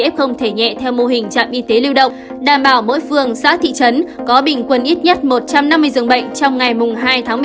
cơ sở điều trị f có thể nhẹ theo mô hình trạm y tế lưu động đảm bảo mỗi phường xã thị trấn có bình quân ít nhất một trăm năm mươi dường bệnh trong ngày hai tháng một mươi hai